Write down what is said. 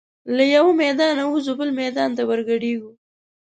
له یوه میدانه وزو بل میدان ته ور ګډیږو